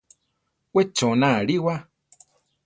We chona ariwa.